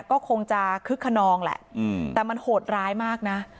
ก็คงจะคึกขนองแหละแต่มันโหดร้ายมากนะ